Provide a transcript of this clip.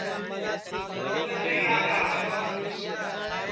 چکُو مِسے کیا کام ہے